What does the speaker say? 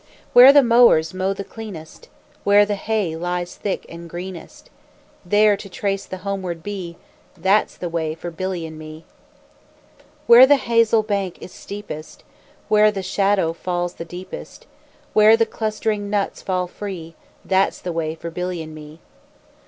Where the mowers mow the cleanest, Where the hay lies thick and greenest, There to trace the homeward bee, That's the way for Billy and me. Where the hazel bank is steepest, Where the shadow falls the deepest, Where the clustering nuts fall free, That's the way for Billy and me.